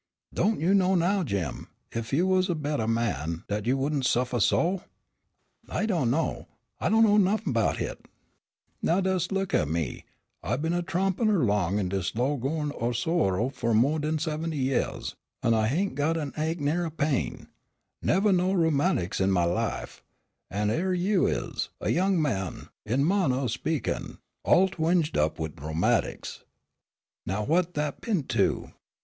"Don' you reckon now, Jim, ef you was a bettah man dat you wouldn' suffah so?" "I do' know, I do' know nuffin' 'bout hit." "Now des' look at me. I ben a trompin' erlong in dis low groun' o' sorrer fu' mo' den seventy yeahs, an' I hain't got a ache ner a pain. Nevah had no rheumatics in my life, an' yere you is, a young man, in a mannah o' speakin', all twinged up wid rheumatics. Now what dat p'int to?